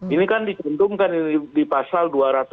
ini kan dicentungkan di pasal dua ratus tiga belas